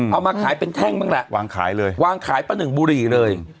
เอามาขายเป็นแท่งบ้างละวางขายปะหนึ่งบุรีเลย